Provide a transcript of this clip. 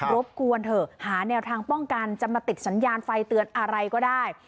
บกวนเถอะหาแนวทางป้องกันจะมาติดสัญญาณไฟเตือนอะไรก็ได้